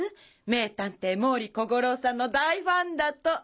名探偵毛利小五郎さんの大ファンだと！